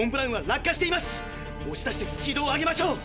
おし出して軌道を上げましょう！